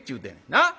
なっ？